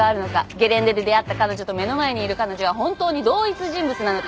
ゲレンデで出会った彼女と目の前にいる彼女は本当に同一人物なのか。